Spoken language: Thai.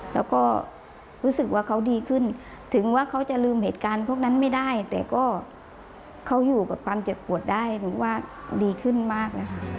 แล้วก็รู้สึกว่าเขาดีขึ้นถึงว่าเขาจะลืมเหตุการณ์พวกนั้นไม่ได้แต่ก็เขาอยู่กับความเจ็บปวดได้หนูว่าดีขึ้นมากนะคะ